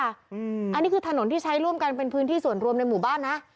อันนี้คือถนนที่ใช้ร่วมกันเป็นพื้นที่ส่วนรวมในหมู่บ้านนะ